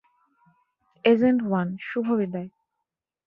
Agent one, শুভ বিদায়।